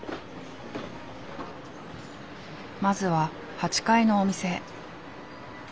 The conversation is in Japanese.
まずは８階のお店へ。